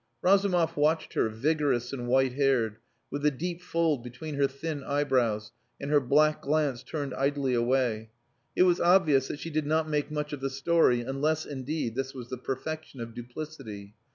Razumov watched her, vigorous and white haired, with the deep fold between her thin eyebrows, and her black glance turned idly away. It was obvious that she did not make much of the story unless, indeed, this was the perfection of duplicity.